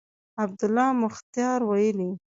عبدالله مختیار ویلي